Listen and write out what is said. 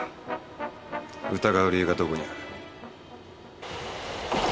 疑う理由がどこにある？